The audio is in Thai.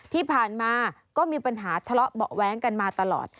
ที่ผ่านมาก็มีปัญหาทะเลาะเบาะแว้งกันมาตลอด